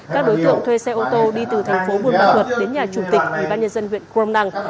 các đối tượng thuê xe ô tô đi từ thành phố buôn ma thuật đến nhà chủ tịch ubnd huyện crom năng